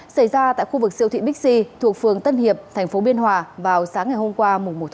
xảy ra tại khu vực siêu thị bixi thuộc phường tân hiệp tp biên hòa vào sáng ngày hôm qua một tháng chín